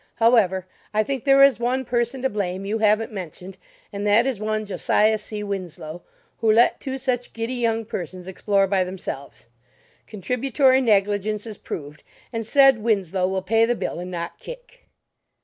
However, I think there is one person to blame you haven't mentioned, and that is one Josiah C. Winslow, who let two such giddy young persons explore by themselves. Contributory negligence is proved; and said Winslow will pay the bill and not kick."